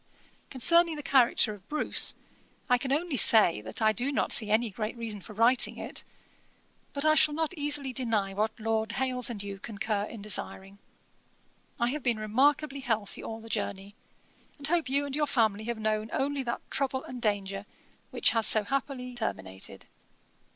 Concerning the character of Bruce, I can only say, that I do not see any great reason for writing it; but I shall not easily deny what Lord Hailes and you concur in desiring. 'I have been remarkably healthy all the journey, and hope you and your family have known only that trouble and danger which has so happily terminated.